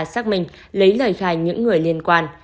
xác minh lấy lời khai những người liên quan